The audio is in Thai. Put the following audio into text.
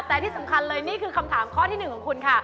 แต่ที่สำคัญเลยนี่คือคำถามข้อที่๑ของคุณค่ะ